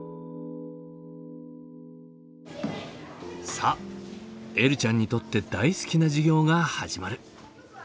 さあえるちゃんにとって大好きな授業が始まる。